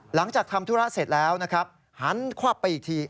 หลังจากทำธุระเสร็จแล้วนะครับหันควับไปอีกที